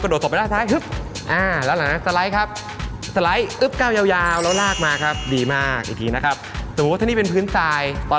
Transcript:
กระโดดว่อไปด้านซ้ายอับ